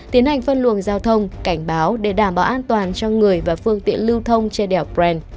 tiến hành phân luồng giao thông cảnh báo để đảm bảo an toàn cho người và phương tiện lưu thông trên đèo bren